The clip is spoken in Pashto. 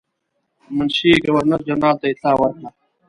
منشي ګورنر جنرال ته اطلاع ورکړه.